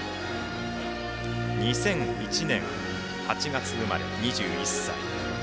２００１年、８月生まれ、２１歳。